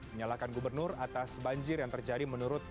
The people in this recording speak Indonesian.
menyalahkan gubernur atas banjir yang terjadi menurut